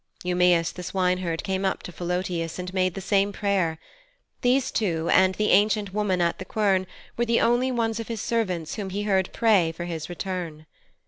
Eumæus the swineherd came up to Philœtius and made the same prayer. These two, and the ancient woman at the quern, were the only ones of his servants whom he heard pray for his return.